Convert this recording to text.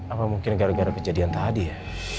apa mungkin gara gara kejadian tadi ya